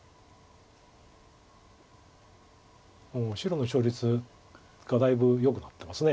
白の勝率がだいぶよくなってます。